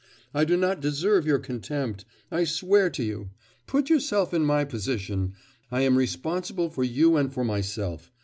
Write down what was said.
I do not deserve your contempt, I swear to you. Put yourself in my position. I am responsible for you and for myself.